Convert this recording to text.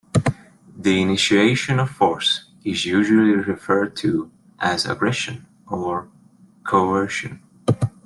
The initiation of force is usually referred to as aggression or coercion.